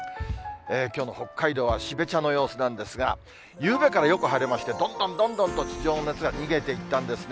きょうの北海道は標茶の様子なんですが、ゆうべからよく晴れまして、どんどんどんどんと、地上の熱が逃げていったんですね。